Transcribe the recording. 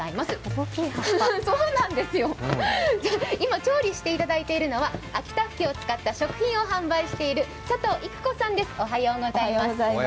今、調理していただいているのは秋田ふきを使った食品を販売している佐藤郁子さんですおはようございます。